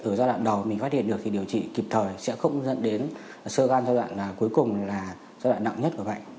ở giai đoạn đầu mình phát hiện được thì điều trị kịp thời sẽ không dẫn đến sơ gan giai đoạn là cuối cùng là giai đoạn nặng nhất của bệnh